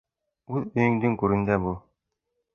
Үҙ өйөңдөң гүрендә бул.